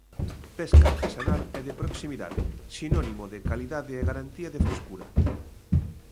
Pesca artesanal e de proximidade, sinónimo de calidade e garantía de frescura.